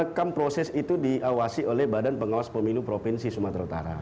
dengan merekam proses itu diawasi oleh badan pengawas peminu provinsi sumatera utara